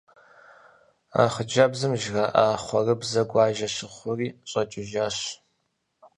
Хъыджэбзым жраӏа хъэурыбзэр гуажэ щыхъури щӏэкӏыжащ.